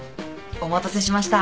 お待たせしました。